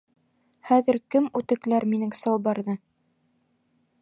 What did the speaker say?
Хәҙер кем үтекләр минең салбарҙы?